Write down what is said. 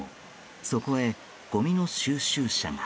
そこへ、ごみの収集車が。